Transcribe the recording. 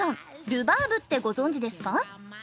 ルバーブってご存じですか？